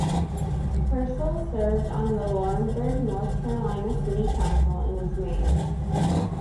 Purcell served on the Laurinburg, North Carolina city council and was mayor.